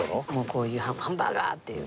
こういうハンバーガー！っていう。